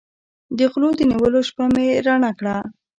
د غلو د نیولو شپه مې رڼه کړه.